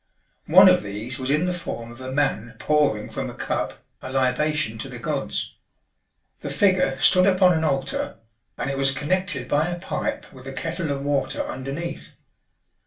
One of these was in the form of a man pouring from a cup a libation to the gods. The figure stood upon an altar, and it was connected by a pipe with a kettle of water underneath.